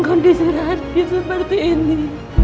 kondisi radit seperti ini